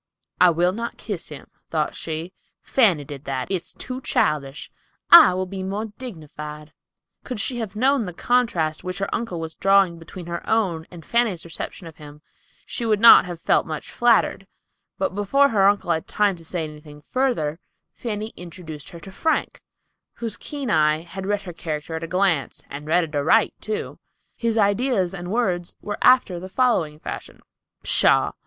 "I will not kiss him," thought she; "Fanny did that. It's too childish. I'll he more dignified." Could she have known the contrast which her uncle was drawing between her own and Fanny's reception of him she would not have felt much flattered; but before her uncle had time to say anything further, Fanny introduced her to Frank, whose keen eye had read her character at a glance, and read it aright, too. His ideas and words were after the following fashion: "Pshaw!